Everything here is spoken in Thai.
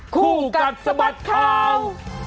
คู่กัดสะบัดข่าว